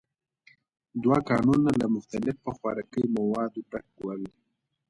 دوکانونه له مختلفو خوراکي موادو ډک ول.